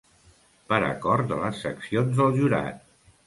Per acord de les seccions del Jurat.